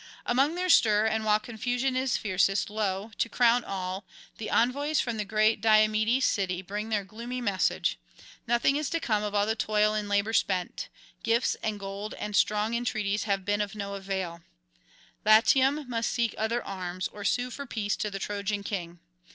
Among their stir, and while confusion is fiercest, lo! to crown all, the envoys from great Diomede's city bring their gloomy message: nothing is come of all the toil and labour spent; gifts and gold and strong entreaties have been of no avail; Latium must seek other arms, or sue for peace to the Trojan king.